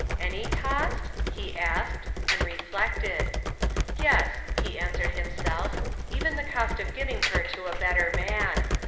Any cost? he asked and reflected. Yes, he answered himself even the cost of giving her to a better man.